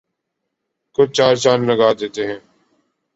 کو چار چاند لگا دیتے ہیں